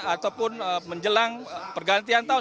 ataupun menjelang pergantian tahun